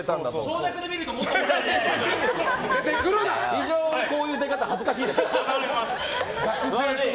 非常にこの出方恥ずかしいです。